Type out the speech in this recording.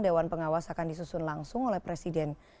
dewan pengawas akan disusun langsung oleh presiden